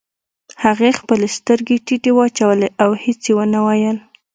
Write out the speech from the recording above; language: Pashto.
هغې خپلې سترګې ټيټې واچولې او هېڅ يې ونه ويل.